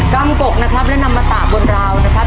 กรรมกกนะครับและนามมะตะบนราวนะครับ